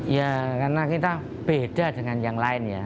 ya karena kita beda dengan yang lain ya